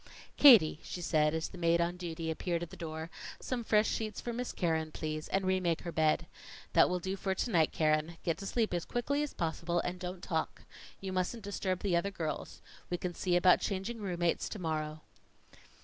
"Katie," she said, as the maid on duty appeared at the door, "some fresh sheets for Miss Keren, please, and remake her bed. That will do for to night, Keren. Get to sleep as quickly as possible, and don't talk. You mustn't disturb the other girls. We can see about changing room mates to morrow."